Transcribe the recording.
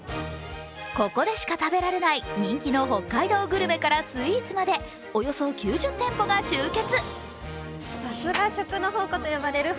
ここでしか食べられない人気の北海道グルメからスイーツまでおよそ９０店舗が集結。